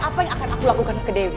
apa yang akan aku lakukan ke dewi